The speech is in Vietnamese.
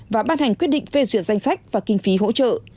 và ban hành quyết định phê duyệt danh sách và kinh phí hỗ trợ